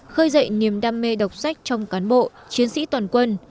khơi dậy niềm đam mê đọc sách trong cán bộ chiến sĩ toàn quân